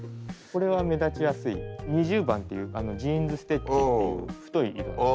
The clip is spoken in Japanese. ２０番っていうジーンズステッチっていう太い糸なんですね。